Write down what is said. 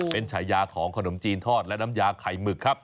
เป็นฉายาของขนมจีนทอดและน้ำยาไข่หมึกครับ